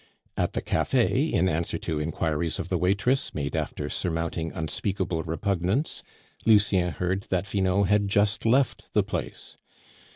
At the cafe, in answer to inquiries of the waitress, made after surmounting unspeakable repugnance, Lucien heard that Finot had just left the place.